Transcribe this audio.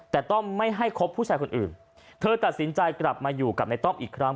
แต่ต้องไม่ให้คบผู้ชายคนอื่นเธอตัดสินใจกลับมาอยู่กับในต้อมอีกครั้ง